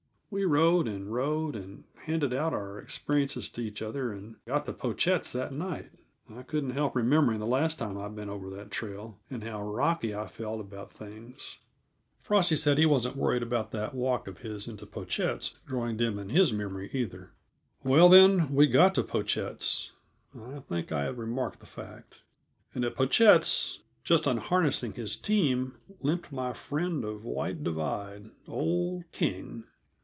We rode and rode, and handed out our experiences to each other, and got to Pochette's that night. I couldn't help remembering the last time I'd been over that trail, and how rocky I felt about things. Frosty said he wasn't worried about that walk of his into Pochette's growing dim in his memory, either. Well, then, we got to Pochette's I think I have remarked the fact. And at Pochette's, just unharnessing his team, limped my friend of White Divide, old King.